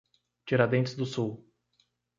Tiradentes do Sul